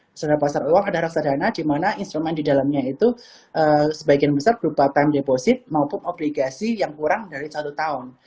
reksadana pasar uang ada reksadana di mana instrumen di dalamnya itu sebagian besar berupa time deposit maupun obligasi yang kurang dari satu tahun